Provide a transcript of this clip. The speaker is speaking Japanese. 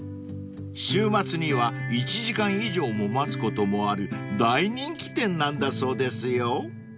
［週末には１時間以上も待つこともある大人気店なんだそうですよ］